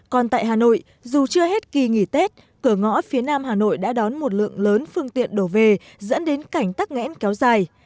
còn tại hà nội dù chưa hết kỳ nghỉ tết cửa ngõ phía nam hà nội đã đón một lượng lớn phương tiện đổ về dẫn đến cảnh tắc nghẽn kéo dài